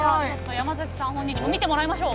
山崎さん本人に見てもらいましょう。